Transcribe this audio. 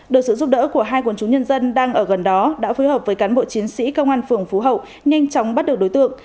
được sự giúp đỡ của hai quần chúng nhân dân đang ở gần đó đã phối hợp với cán bộ chiến sĩ công an phường phú hậu nhanh chóng bắt được đối tượng